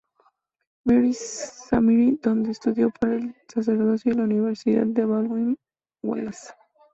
Mary's Seminary, donde estudió para el sacerdocio, y la Universidad de Baldwin-Wallace.